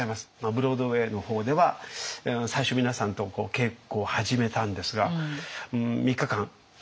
ブロードウェイの方では最初皆さんと稽古を始めたんですが３日間「大丈夫ですか！